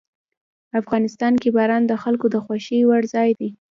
افغانستان کې باران د خلکو د خوښې وړ ځای دی.